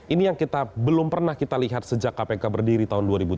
ini yang kita belum pernah kita lihat sejak kpk berdiri tahun dua ribu tiga belas